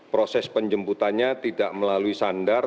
proses penjemputannya tidak melalui sandar